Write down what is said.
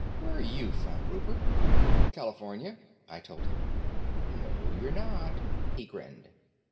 Where are you from, Rupert?" "California," I told him. "No, you're not," he grinned.